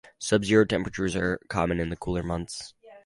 Sub-zero temperatures are common in the cooler months.